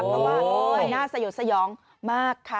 เพราะว่ามันน่าสยดสยองมากค่ะ